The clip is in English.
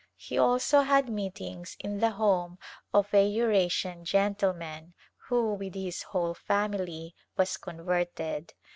He also had meetings in the home of an Eurasian gentleman who, with his whole family, was converted.